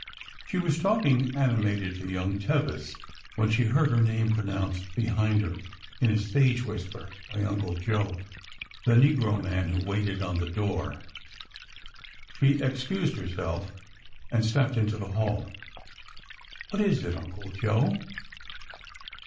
'^ She was talking animatedly to young Tevis when she heard her name pronounced behind her, in a stage whisper, by Uncle Joe, the negro man who waited on the door. She excused herself and stepped into the hall. ''What is it. Uncle Joe?